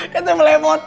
kan itu melemotan